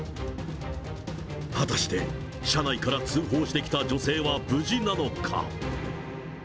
果たして、車内から通報してきた女性は無事なのか。